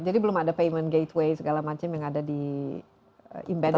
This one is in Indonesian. jadi belum ada payment gateway segala macam yang ada di embedded